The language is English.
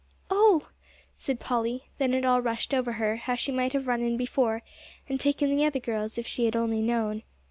"Oh!" said Polly. Then it all rushed over her how she might have run in before, and taken the other girls if she had only known.